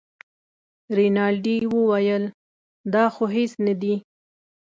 رینالډي وویل دا خو هېڅ نه دي.